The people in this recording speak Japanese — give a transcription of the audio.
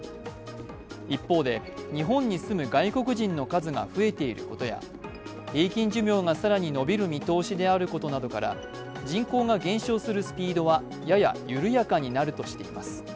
一方で、日本に住む外国人の数が増えていることや平均寿命が更に延びる見通しであることなどから人口が減少するスピードはやや緩やかになるとしています。